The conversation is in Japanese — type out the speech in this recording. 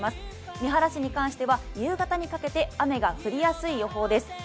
三原市に関しては夕方にかけて雨が降りやすい予報です。